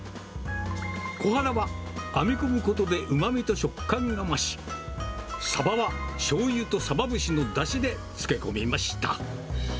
コハダは編み込むことでうまみと食感が増し、サバはしょうゆとサバ節のだしで漬け込みました。